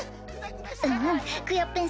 うんうんクヨッペン